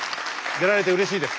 出られてうれしいです。